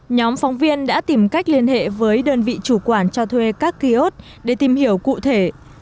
nhóm phóng viên đã tìm cách liên hệ với đơn vị chủ quản cho thuê các ký ốt để tìm hiểu cụ thể